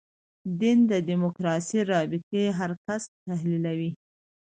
دین دیموکراسي رابطې هر کس تحلیلوي.